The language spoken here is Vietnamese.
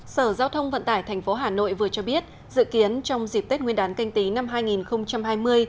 sở giao thông vận tải tp hà nội vừa cho biết dự kiến trong dịp tết nguyên đán canh tí năm hai nghìn hai mươi